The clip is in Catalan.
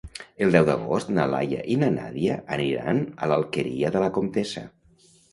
El deu d'agost na Laia i na Nàdia aniran a l'Alqueria de la Comtessa.